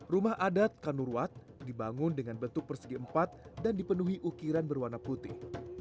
rumah adat kanurwat dibangun dengan bentuk persegi empat dan dipenuhi ukiran berwarna putih